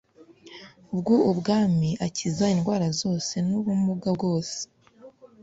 bw ubwami akiza indwara zose n ubumuga bwose